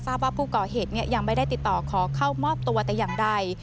ว่าผู้ก่อเหตุยังไม่ได้ติดต่อขอเข้ามอบตัวแต่อย่างใด